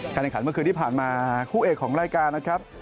ขันเมื่อคืนที่ผ่านมาคู่เอกของรายการนะครับ